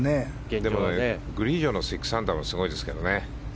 グリジョの６アンダーもすごいですけどね。